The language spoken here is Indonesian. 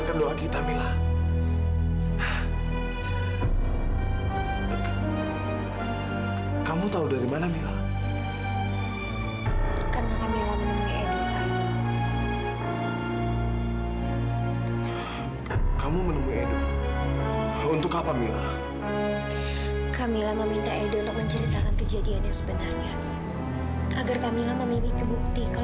kamu nggak mau melakukan permintaan edo kan mila